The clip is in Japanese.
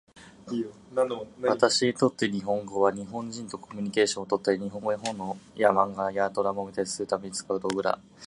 私にとって日本語は、日本人とコミュニケーションをとったり、日本語の本や漫画やドラマを見たりするために使う道具だ。